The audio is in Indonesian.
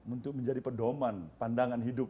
untuk menjadi pedoman pandangan hidup